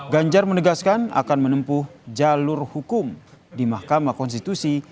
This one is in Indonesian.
ganjar menegaskan akan menempuh jalur hukum di mahkamah konstitusi